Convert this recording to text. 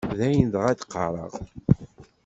D ayen dɣa i d-qqareɣ.